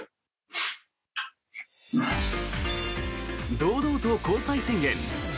堂々と交際宣言。